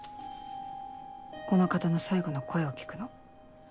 この方の最後の声を聞くの。